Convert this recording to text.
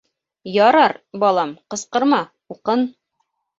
— Ярар, балам, ҡысҡырма, уҡын.